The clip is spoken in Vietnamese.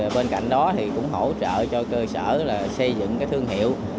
bên cạnh đó thì cũng hỗ trợ cho cơ sở là xây dựng cái thương hiệu